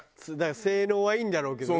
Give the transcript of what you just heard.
性能はいいんだろうけどね。